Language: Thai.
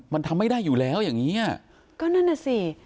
มันทำไม่ได้อยู่แล้วอย่างงี้อ่ะก็นั่นน่ะสิ